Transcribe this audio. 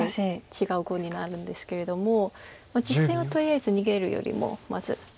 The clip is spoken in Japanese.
違う碁になるんですけれども実戦はとりあえず逃げるよりもまず。